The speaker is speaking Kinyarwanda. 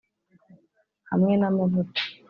hamwe n'amavuta.